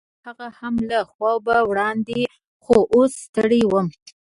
پرته په شپه کې، هغه هم له خوبه وړاندې، خو اوس ستړی وم.